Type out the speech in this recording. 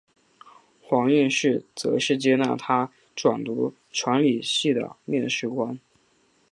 黄应士则是接纳他转读传理系的面试官。